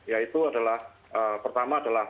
yaitu adalah pertama adalah